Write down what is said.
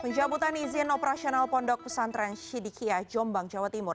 pencabutan izin operasional pondok pesantren syidikiyah jombang jawa timur